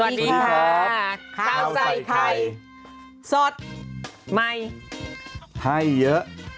สวัสดีค่ะคาวใส่ใครโซ่ไหมท่ายเยอะ